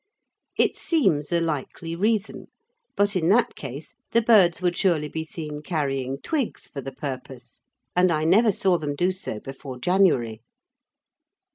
It seems a likely reason, but in that case the birds would surely be seen carrying twigs for the purpose, and I never saw them do so before January.